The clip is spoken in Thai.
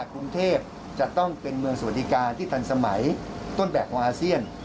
กรุงเทพจะต้องเป็นเมืองสวัสดิการที่ทันสมัยต้นแบบของอาเซียน